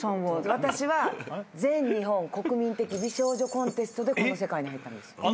私は全日本国民的美少女コンテストでこの世界に入ったんです。